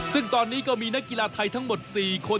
ซึ่งตอนนี้ก็มีนักกีฬาไทยทั้งหมด๔คน